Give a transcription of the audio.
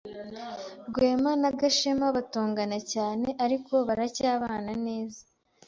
Rwema na Gashema batongana cyane, ariko baracyabana neza.